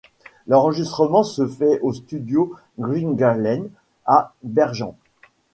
L'enregistrement se fait au studio Grieghallen à Bergen.